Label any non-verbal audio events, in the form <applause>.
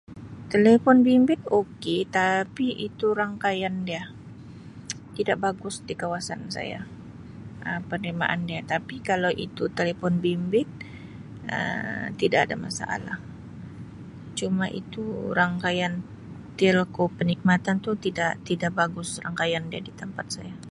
telefon bimbit okay tapi itu rangkaian dia <noise> tidak bagus di kawasan saya Um penerimaan dia tapi kalau itu talipon bimbit Um tidak ada masalah, cuma itu rangkaian telco perkhidmatan itu tidak bagus di tempat saya